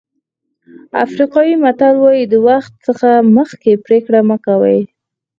افریقایي متل وایي د وخت څخه مخکې پرېکړه مه کوئ.